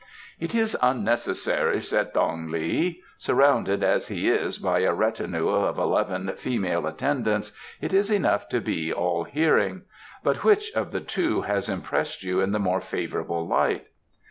"It is unnecessary," said Thang li. "Surrounded, as he is, by a retinue of eleven female attendants, it is enough to be all hearing. But which of the two has impressed you in the more favourable light?"